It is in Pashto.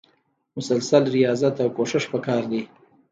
مسلسل ریاضت او کوښښ پکار دی.